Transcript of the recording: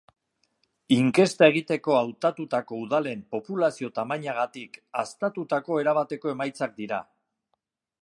Inkesta egiteko hautatutako udalen populazio-tamainagatik haztatutako erabateko emaitzak dira.